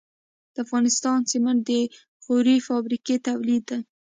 د افغانستان سمنټ د غوري فابریکې تولید دي